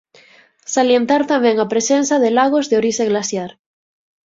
Salientar tamén a presenza de lagos de orixe glaciar.